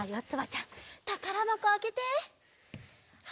ちゃんたからばこあけて！